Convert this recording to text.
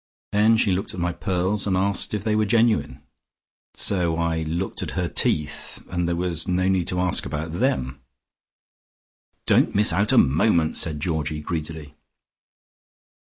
Then she looked at my pearls, and asked if they were genuine. So I looked at her teeth, and there was no need to ask about them." "Don't miss out a moment," said Georgie greedily.